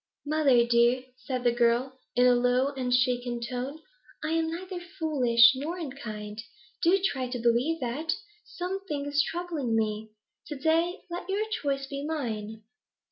'Mother dear,' said the girl, in a low and shaken tone, 'I am neither foolish nor unkind; do try to believe that. Something is troubling me. To day let your choice be mine.'